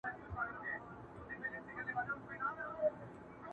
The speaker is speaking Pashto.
په امان به سي کورونه د پردیو له سپاهیانو!!